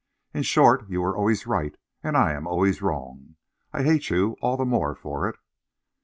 In short, you are always right and I am always wrong, and I hate you all the more for it.